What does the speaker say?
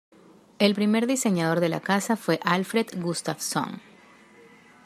El primer diseñador de la casa fue Alfred Gustafsson.